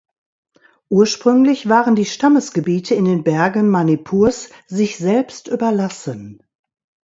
Ursprünglich waren die Stammesgebiete in den Bergen Manipurs sich selbst überlassen.